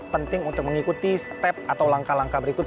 penting untuk mengikuti step atau langkah langkah berikut